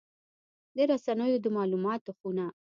د رسنیو د مالوماتو خونه